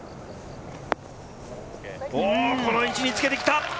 この位置につけてきた！